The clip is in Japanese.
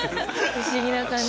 不思議な感じ。